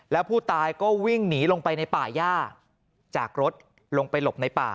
แล้วผู้ตายก็วิ่งหนีลงไปในป่าย่าจากรถลงไปหลบในป่า